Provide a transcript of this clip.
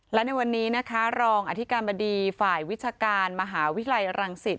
และในวันนี้นะคะรองอธิการบดีฝ่ายวิชาการมหาวิทยาลัยรังสิต